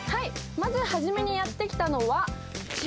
まず初めにやって来たのは千葉県。